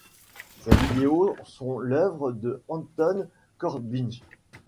Ces vidéos sont l'œuvre de Anton Corbijn.